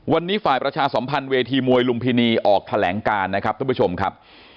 วันนี้ฝ่ายประชาสัมพันธ์เวทีมวยลุมพินีออกแถลงการนะครับท่านผู้ชมครับ